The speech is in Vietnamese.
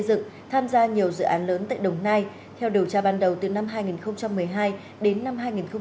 dựng tham gia nhiều dự án lớn tại đồng nai theo điều tra ban đầu từ năm hai nghìn một mươi hai đến năm hai nghìn một mươi bảy